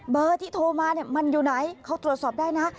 ที่โทรมามันอยู่ไหนเขาตรวจสอบได้นะ